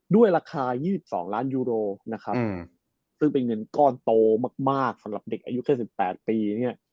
ด้วยราคา๒๒ล้านยูโรนะครับซึ่งเป็นเงินก้อนโตมากสำหรับเด็กอายุแค่๑๘ปีเนี่ย